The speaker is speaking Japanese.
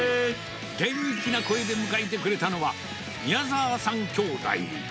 元気な声で迎えてくれたのは、宮澤さん兄弟。